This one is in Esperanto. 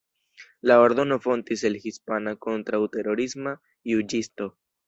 La ordono fontis el hispana kontraŭterorisma juĝisto.